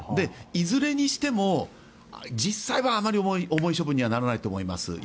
いずれにしても実際はあまり重い処分にはならないと思います。